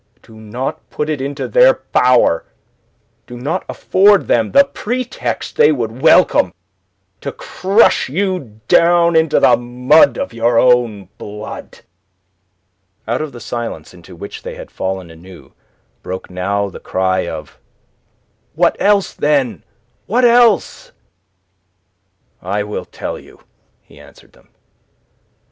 Do not put it into their power, do not afford them the pretext they would welcome to crush you down into the mud of your own blood." Out of the silence into which they had fallen anew broke now the cry of "What else, then? What else?" "I will tell you," he answered them.